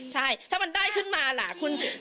ใช่ถ้ามันได้ขึ้นมาแหละ